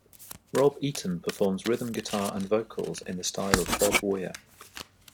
Rob Eaton performs rhythm guitar and vocals in the style of Bob Weir.